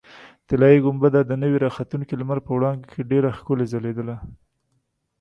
طلایي ګنبده د نوي راختونکي لمر په وړانګو کې ډېره ښکلې ځلېدله.